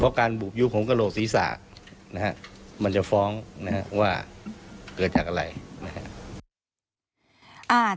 เพราะการบุบยุของกระโหลศีรษะมันจะฟ้องว่าเกิดจากอะไร